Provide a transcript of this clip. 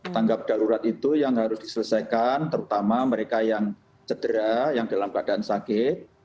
tanggap darurat itu yang harus diselesaikan terutama mereka yang cedera yang dalam keadaan sakit